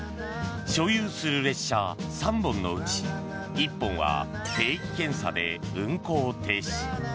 所有する列車３本のうち１本は定期検査で運行停止。